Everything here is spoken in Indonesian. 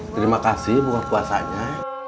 terima kasih buat puasanya